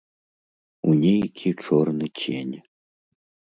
У нейкі чорны цень.